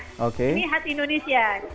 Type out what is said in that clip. ini khas indonesia